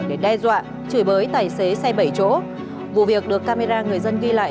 để đe dọa chửi bới tài xế xe bảy chỗ vụ việc được camera người dân ghi lại